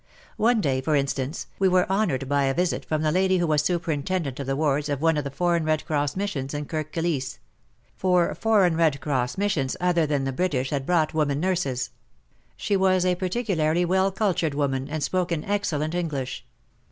One day, for instance, we were honoured by a visit from the lady who was superintendent of the wards of one of the foreign Red Cross missions in Kirk Kilisse ; for foreign Red Cross missions other than the British had brought women nurses. She was a particularly well cultured woman, and spoke in excellent English.